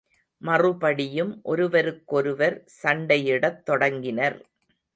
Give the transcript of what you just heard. மறுபடியும் ஒருவருக்கொருவர் சண்டையிடத் தொடங்கினர்.